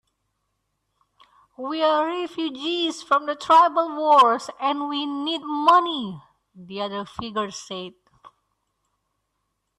"We're refugees from the tribal wars, and we need money," the other figure said.